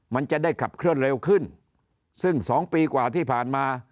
มันจะได้ขับเคลื่อนเร็วขึ้นซึ่งสองปีกว่าที่ผ่านมา